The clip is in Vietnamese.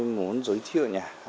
muốn giới thiệu